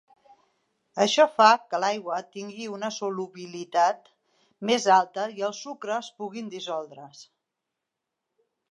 Això fa que l'aigua tingui una solubilitat més alta i els sucres puguin dissoldre’s.